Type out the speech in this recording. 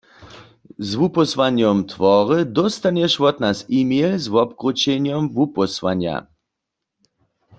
Z wupósłanjom twory dóstanješ wot nas e-mail z wobkrućenjom wupósłanja.